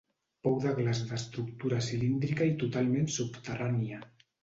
Pou de glaç d'estructura cilíndrica i totalment subterrània.